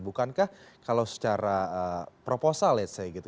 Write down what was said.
bukankah kalau secara proposal let's say gitu